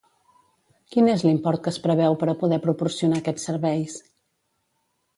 Quin és l'import que es preveu per a poder proporcionar aquests serveis?